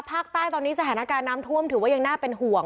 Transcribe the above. ภาคใต้ตอนนี้สถานการณ์น้ำท่วมถือว่ายังน่าเป็นห่วง